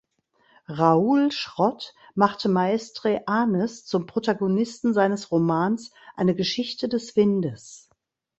Raoul Schrott machte Maestre Anes zum Protagonisten seines Romans "Eine Geschichte des Windes".